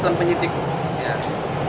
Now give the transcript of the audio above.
untuk menjadwalkan yang tersebut